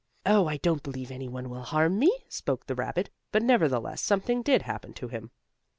"Oh, I don't believe any one will harm me," spoke the rabbit, but nevertheless something did happen to him.